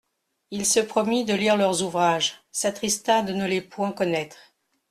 Il se promit de lire leurs ouvrages, s'attrista de ne les point connaître.